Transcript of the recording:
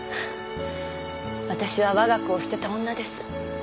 私は我が子を捨てた女です。